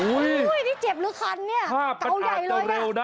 อุ๊ยนี่เจ็บหรือคันเนี้ยเกาใหญ่เลยอะ